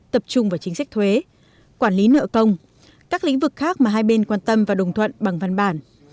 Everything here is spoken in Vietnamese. tập trung vào chính sách thuế quản lý nợ công các lĩnh vực khác mà hai bên quan tâm và đồng thuận bằng văn bản